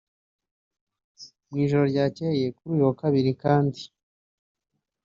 Mu ijoro ryakeye kuri uyu wa kabiri kandi